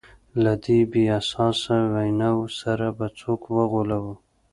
له دې بې اساسه ویناوو سره به څوک وغولوو.